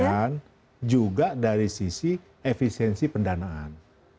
kemudian juga dari sisi efisiensi pendanaan